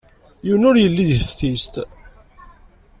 Yiwen ur yelli deg teftist.